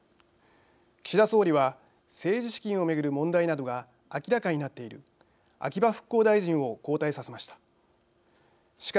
岸田総理は、政治資金を巡る問題などが明らかになっている秋葉復興大臣を交代させました。